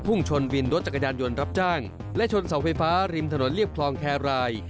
่งชนวินรถจักรยานยนต์รับจ้างและชนเสาไฟฟ้าริมถนนเรียบคลองแครราย